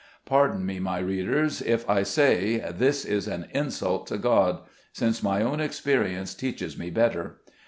Pardon me, my readers, if I say this is an insult to God ; since my own experi ence teaches me better.